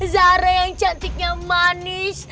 zara yang cantiknya manis